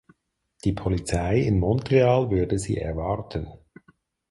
Die Polizei in Montreal würde sie erwarten.